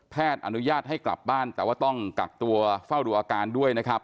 อนุญาตให้กลับบ้านแต่ว่าต้องกักตัวเฝ้าดูอาการด้วยนะครับ